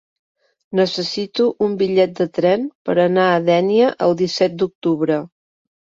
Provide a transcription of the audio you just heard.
Necessito un bitllet de tren per anar a Dénia el disset d'octubre.